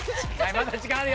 まだ時間あるよ。